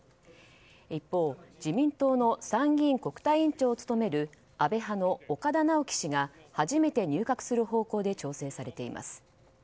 一方、自民党の参議院国対委員長を務める安倍派の岡田直樹氏が初めて入閣する方向で調整されています。